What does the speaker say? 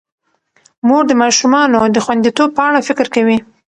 مور د ماشومانو د خوندیتوب په اړه فکر کوي.